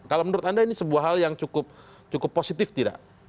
kalau menurut anda ini sebuah hal yang cukup positif tidak